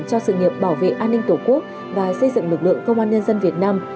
cho sự nghiệp bảo vệ an ninh tổ quốc và xây dựng lực lượng công an nhân dân việt nam